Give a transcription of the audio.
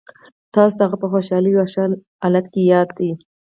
تاسو ته هغه په خوشحاله او ښه حالت کې یاد دی